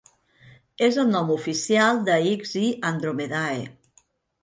És el nom oficial de xi Andromedae.